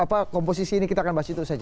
apa komposisi ini kita akan bahas di situ saja